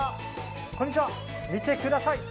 見てください。